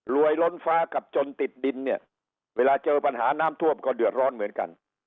ล้นฟ้ากับจนติดดินเนี่ยเวลาเจอปัญหาน้ำท่วมก็เดือดร้อนเหมือนกัน